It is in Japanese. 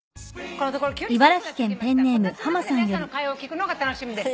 「こたつの中で皆さんの会話を聞くのが楽しみです」